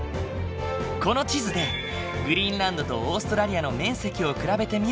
この地図でグリーンランドとオーストラリアの面積を比べてみると。